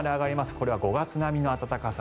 これは５月並みの暖かさ。